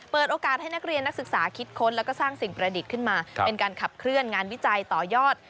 เปิดโอกาสให้นักเรียนนักศึกษาคิดค้นแล้วก็สร้างสิ่งประดิษฐ์ขึ้นมาเป็นการขับเคลื่อนงานวิจัยต่อยอด